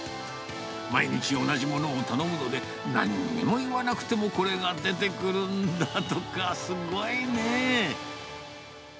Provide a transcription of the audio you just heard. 毎日同じものを頼むので、なんにも言わなくても、これが出てくるんだとか、すごいね。